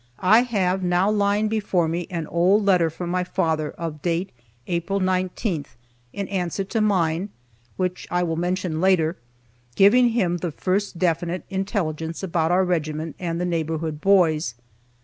I have now lying before me an old letter from my father of date April 19th, in answer to mine (which I will mention later) giving him the first definite intelligence about our regiment and the neighborhood boys.